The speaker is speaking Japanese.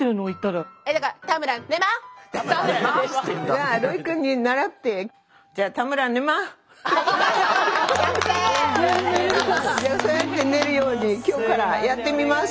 じゃあロイくんに倣ってそうやって寝るように今日からやってみます。